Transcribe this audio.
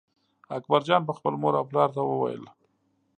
اکبرجان به خپل مور او پلار ته ویل.